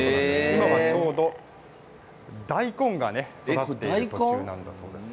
今は、ちょうど大根が育っている最中なんだそうです。